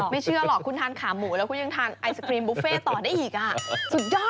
ไม่เชื่อหรอกคุณทานขาหมูแล้วคุณยังทานไอศครีมบุฟเฟ่ต่อได้อีกอ่ะสุดยอด